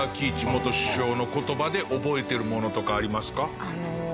元首相の言葉で覚えてるものとかありますか？